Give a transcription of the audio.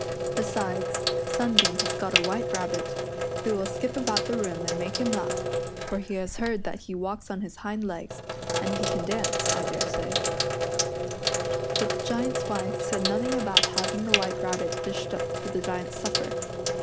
Besides, Sunbeam has got a White Rabbit, who will skip about the room and make him laugh, for he has heard that he walks on his hind legs, and he can dance, I daresay," But the Giant's wife said nothing about haying the White Rabbit dished up for the Giant's supper.